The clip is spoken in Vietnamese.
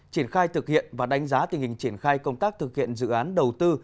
triển khai thực hiện và đánh giá tình hình triển khai công tác thực hiện dự án đầu tư